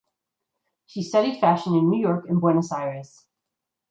She studied fashion in New York and Buenos Aires.